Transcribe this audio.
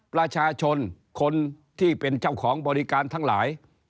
ประชาชนคนที่เป็นเจ้าของบริการทั้งหลาย